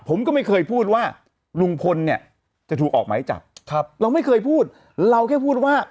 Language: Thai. ผมก็ไม่เคยพูดว่าลุงพลเนี่ยจะถูกออกหมายจับครับเราไม่เคยพูดเราแค่พูดว่า